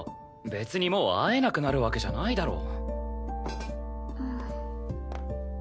別にもう会えなくなるわけじゃないだろ？